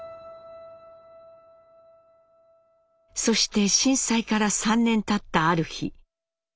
そして震災から３年たったある日。